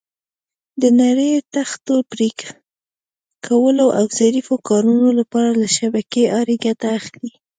د نریو تختو پرېکولو او ظریفو کارونو لپاره له شبکې آرې ګټه اخلي.